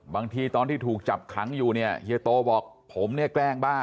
บางทีตอนที่ถูกจับขังอยู่เนี่ยเฮียโตบอกผมเนี่ยแกล้งบ้า